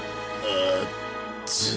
あっつ。